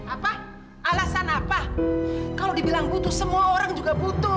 apa alasan apa kalau dibilang butuh semua orang juga butuh